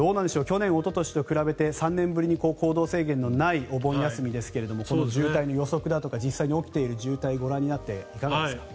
去年おととしと比べて３年ぶりに行動制限のないお盆休みですがこの渋滞の予測だとか実際に起きている渋滞をご覧になっていかがですか。